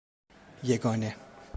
یگانه